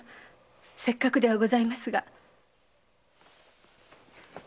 せっかくではございますが。